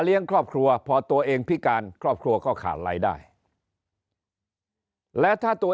ครอบครัวพอตัวเองพิการครอบครัวก็ขาดรายได้และถ้าตัว